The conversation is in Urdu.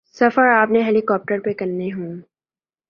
سفر آپ نے ہیلی کاپٹر پہ کرنے ہوں۔